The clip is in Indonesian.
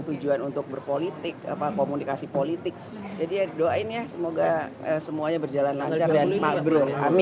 tujuan untuk berpolitik apa komunikasi politik jadi doain ya semoga semuanya berjalan lancar